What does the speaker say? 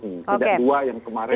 tidak dua yang kemarin